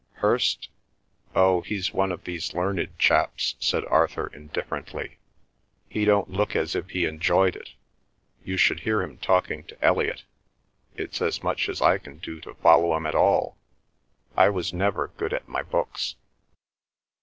"Hirst? Oh, he's one of these learned chaps," said Arthur indifferently. "He don't look as if he enjoyed it. You should hear him talking to Elliot. It's as much as I can do to follow 'em at all. ... I was never good at my books."